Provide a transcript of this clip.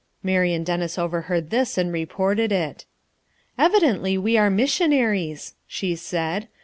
Marian Dennis overheard this and reported it. "Evidently we are missionaries," she said.